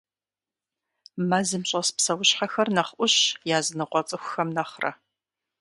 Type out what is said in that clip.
Мэзым щӀэс псэущхьэхэр нэхъ Ӏущщ языныкъуэ цӏыхухэм нэхърэ.